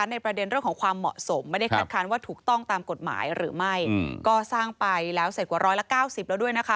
นี่ก็แรกครับ